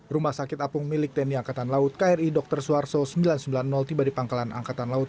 rumah sakit apung milik tni angkatan laut kri dr suharto sembilan ratus sembilan puluh tiba di pangkalan angkatan laut